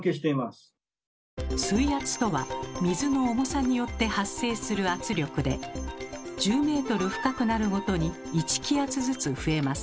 「水圧」とは水の重さによって発生する圧力で１０ｍ深くなるごとに１気圧ずつ増えます。